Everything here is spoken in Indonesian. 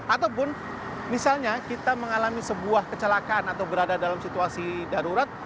ataupun misalnya kita mengalami sebuah kecelakaan atau berada dalam situasi darurat